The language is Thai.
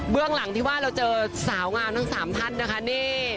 หลังที่ว่าเราเจอสาวงามทั้ง๓ท่านนะคะนี่